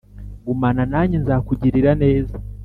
gumana nanjye nzakugirira neza